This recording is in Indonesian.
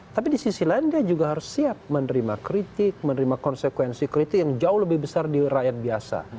tapi di sisi lain dia juga harus siap menerima kritik menerima konsekuensi kritik yang jauh lebih besar di rakyat biasa